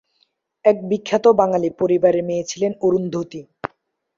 এক বিখ্যাত বাঙালি পরিবারের মেয়ে ছিলেন অরুন্ধতী।